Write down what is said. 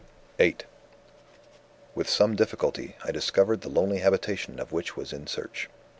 VIII "With some difficulty, I discovered the lonely habitation of which was in search.